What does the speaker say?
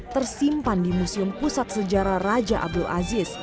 tersimpan di museum pusat sejarah raja abdul aziz